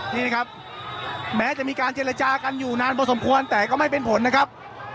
นี่นะครับแม้จะมีการเจรจากันอยู่นานพอสมควรแต่ก็ไม่เป็นผลนะครับ